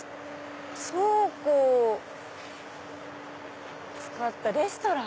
倉庫を使ったレストラン？